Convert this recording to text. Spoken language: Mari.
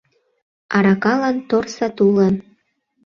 Аракалан — тор сатулан.